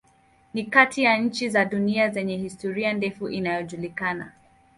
Ni kati ya nchi za dunia zenye historia ndefu inayojulikana.